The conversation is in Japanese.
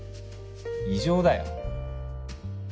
異常だよ！